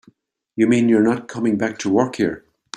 You mean you're not coming back to work here?